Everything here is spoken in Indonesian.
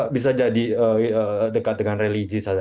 bisa jadi dekat dengan religi saja